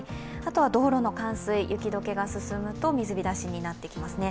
道路の冠水、雪解けが進むと水びたしになってきますね。